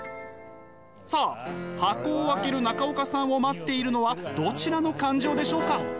さあ箱を開ける中岡さんを待っているのはどちらの感情でしょうか？